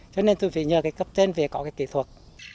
cho nên tôi phải nhờ cái cấp trên phải có cái kỹ thuật